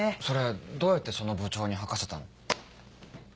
それどうやってその部長に吐かせたの？